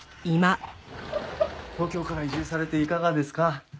東京から移住されていかがですか？